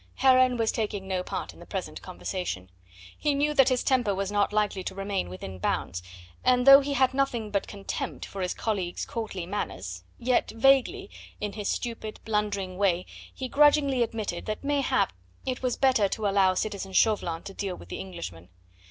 Heron was taking no part in the present conversation. He knew that his temper was not likely to remain within bounds, and though he had nothing but contempt for his colleague's courtly manners, yet vaguely in his stupid, blundering way he grudgingly admitted that mayhap it was better to allow citizen Chauvelin to deal with the Englishman.